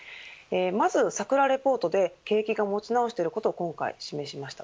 まず、さくらレポートで景気が持ち直していることを今回、示しました。